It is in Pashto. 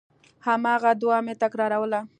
هماغه دعا مې تکراروله.